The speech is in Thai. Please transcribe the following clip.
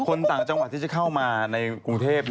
ต่างจังหวัดที่จะเข้ามาในกรุงเทพ